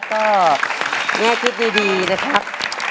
ก็แง่คิดดีนะครับ